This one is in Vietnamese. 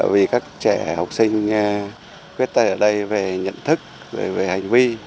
vì các trẻ học sinh khuyết tật ở đây về nhận thức về hành vi